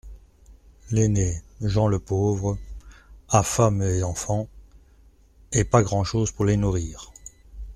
L'aîné, Jean le Pauvre, a femme et enfants, et pas grand'chose pour les nourrir.